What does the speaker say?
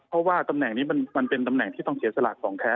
เพราะว่าตำแหน่งนี้มันเป็นตำแหน่งที่ต้องเสียสละของแท้